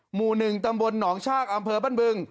หมู่๑ตำบลหนองชากอำเภอบ้านบึง